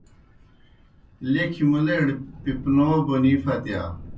لیکھیْ مُلئیڑ پِپنَو بونی پھتِیا۔